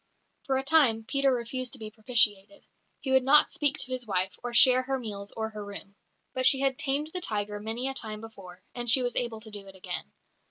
For a time Peter refused to be propitiated; he would not speak to his wife, or share her meals or her room. But she had "tamed the tiger" many a time before, and she was able to do it again.